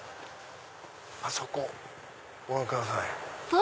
あそこご覧ください。